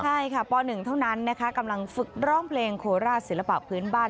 ใช่ค่ะป๑เท่านั้นนะคะกำลังฝึกร้องเพลงโคราชศิลปะพื้นบ้าน